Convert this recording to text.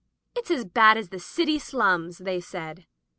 " It's as bad as the city slums," they said.